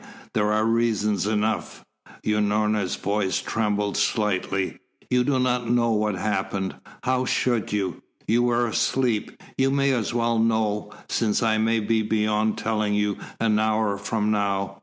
There are reasons enough!" Unorna's voice trembled slightly. "You do not know what happened. How should you? You were asleep. You may as well know, since I may be beyond telling you an hour from now.